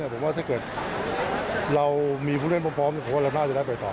ผมว่าถ้าเกิดเรามีผู้เล่นพร้อมผมว่าเราน่าจะได้ไปต่อ